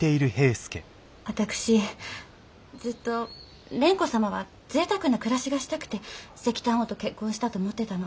私ずっと蓮子様はぜいたくな暮らしがしたくて石炭王と結婚したと思ってたの。